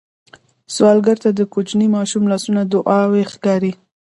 سوالګر ته د کوچني ماشوم لاسونه دعا ښکاري